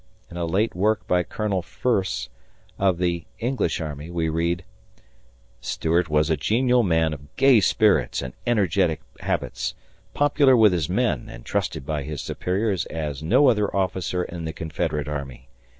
In a late work by Colonel Furse, of the English army, we read: Stuart was a genial man of gay spirits and energetic habits, popular with his men and trusted by his superiors as no other officer in the Confederate army.